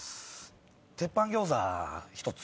鉄板餃子１つ。